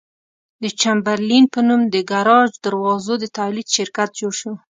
د چمبرلاین په نوم د ګراج دروازو د تولید شرکت جوړ شو.